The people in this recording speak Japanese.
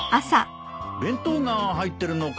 弁当が入ってるのかい。